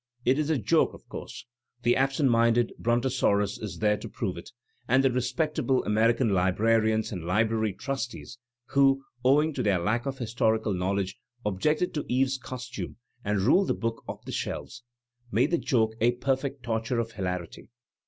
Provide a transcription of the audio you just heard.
It is a joke, of course; the absent minded brontosaurus is there to prove it, and the respectable American librarians and library trustees, who (owing to their lack of historical knowledge) objected to Eve's costume and ruled the book Digitized by Google MARK TWAIN 273 oflF the shelves, made the joke a perfect torture of hilarity.